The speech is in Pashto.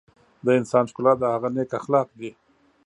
د انسان ښکلا د هغه نیک اخلاق دي.